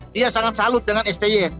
dia sangat salut dengan sti